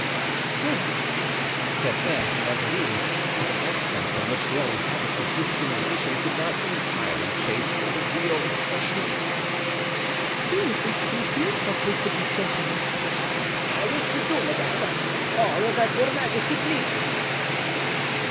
"Sir," said Anne to Mazarin, with an accent from which daily habits of dissimulation could not entirely chase the real expression, "see if we can do something for these gentlemen." "I wish to do, madame, all that your majesty pleases."